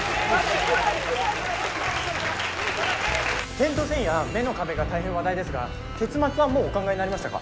「点と線」や「眼の壁」が大変話題ですが結末はもうお考えになりましたか？